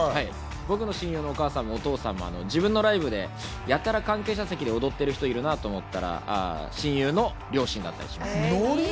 僕の親友のお父さんもお母さんもやたら関係者席で踊ってるなと思ったら親友の両親だったりします。